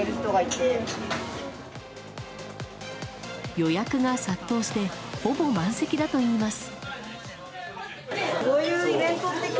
予約が殺到してほぼ満席だといいます。